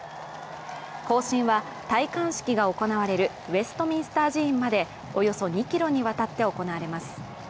行進は戴冠式が行われるウェストミンスター寺院までおよそ２ｋｍにわたって行われます。